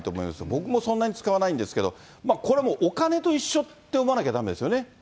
僕もそんなに使わないんですけど、これもうお金と一緒って思わなきゃだめですよね。